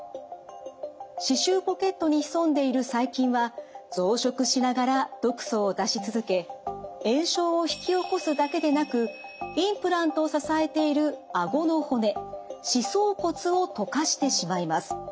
歯周ポケットに潜んでいる細菌は増殖しながら毒素を出し続け炎症を引き起こすだけでなくインプラントを支えているあごの骨歯槽骨を溶かしてしまいます。